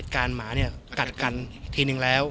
แล้วมันกว่าที่แล้ว